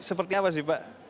seperti apa sih pak